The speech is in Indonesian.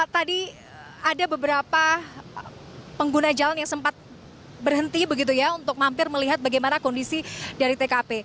tadi ada beberapa pengguna jalan yang sempat berhenti begitu ya untuk mampir melihat bagaimana kondisi dari tkp